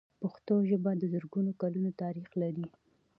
پښتو ژبه د زرګونو کلونو تاریخ لري.